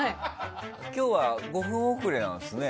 今日は５分遅れなんですね。